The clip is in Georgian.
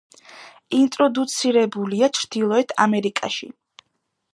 ინტროდუცირებულია ჩრდილოეთ ამერიკაში.